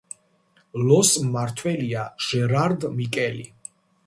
ლოს მმართველია ჟერარდ მიკელი.